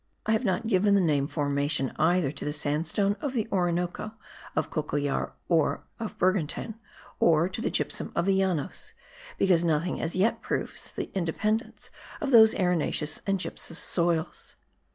I have not given the name formation either to the sandstone of the Orinoco, of Cocollar, of Bergantin or to the gypsum of the Llanos, because nothing as yet proves the independence of those arenaceous and gypsous soils.